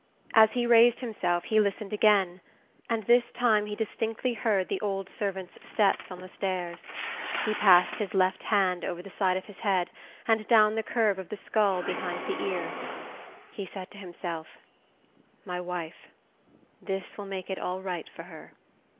As he raised himself he listened again, and this time he distinctly heard the old servant's steps on the stairs. He passed his left hand over the side of his head, and down the curve of the skull behind the ear. He said to himself: "My wife ... this will make it all right for her...."